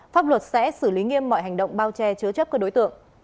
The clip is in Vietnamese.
pháp luật sẽ xử lý nghiêm mọi hành động bao che chứa chấp các đối tượng